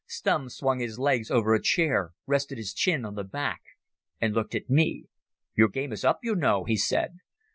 Stumm swung his legs over a chair, rested his chin on the back and looked at me. "Your game is up, you know," he said.